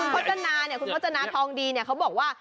คุณพจนทองดีเนี่ยเขาบอกว่า